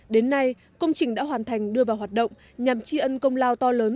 đến nay công trình đã hoàn thành đưa vào hoạt động nhằm chi ân công lao to lớn